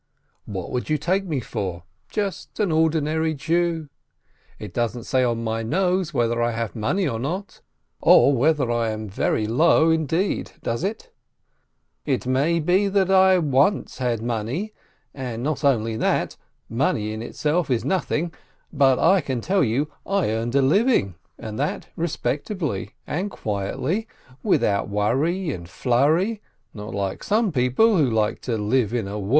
What would you take me for? Just an ordinary Jew. It doesn't say on my nose whether I have money, or not, or whether I am very low indeed, does it? It may be that I once had money, and not only that — money in itself is nothing — but I can tell you, I earned a living, and that respectably and quietly, without worry and flurry, not like some people who like to live in a whirl.